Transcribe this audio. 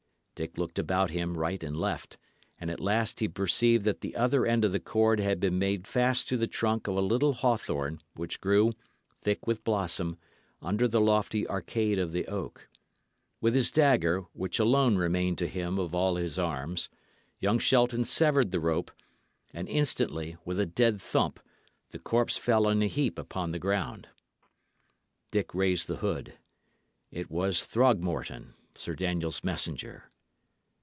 Dick looked about him right and left; and at last he perceived that the other end of the cord had been made fast to the trunk of a little hawthorn which grew, thick with blossom, under the lofty arcade of the oak. With his dagger, which alone remained to him of all his arms, young Shelton severed the rope, and instantly, with a dead thump, the corpse fell in a heap upon the ground. Dick raised the hood; it was Throgmorton, Sir Daniel's messenger.